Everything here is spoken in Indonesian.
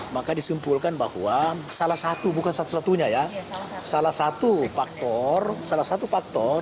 maka disimpulkan bahwa salah satu bukan satu satunya ya salah satu faktor salah satu faktor